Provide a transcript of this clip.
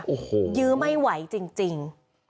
โอ้โหยื้อไม่ไหวจริง